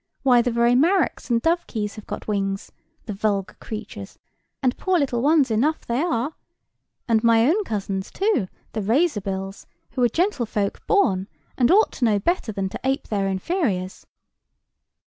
Why, the very marrocks and dovekies have got wings, the vulgar creatures, and poor little ones enough they are; and my own cousins too, the razor bills, who are gentlefolk born, and ought to know better than to ape their inferiors."